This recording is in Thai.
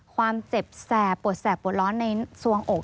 ความเจ็บแสบปวดแสบปวดร้อนในสวงอก